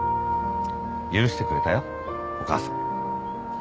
許してくれたよお母さん。